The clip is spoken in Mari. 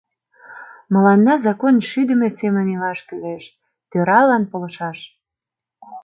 Мыланна закон шӱдымӧ семын илаш кӱлеш, тӧралан полшаш.